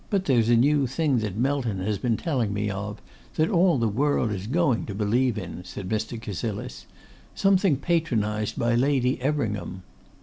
'But here's a new thing that Melton has been telling me of, that all the world is going to believe in,' said Mr. Cassilis, 'something patronised by Lady Everingham.